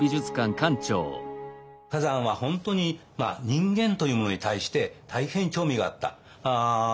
崋山は本当に人間というものに対して大変興味があった。